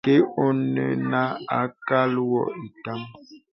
Kə ɔnə nə àkəl wɔ ìtâm.